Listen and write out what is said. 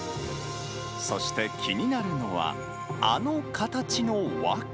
そして気になるのは、あの形の訳。